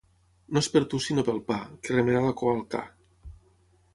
No és per tu, sinó pel pa, que remena la cua el ca.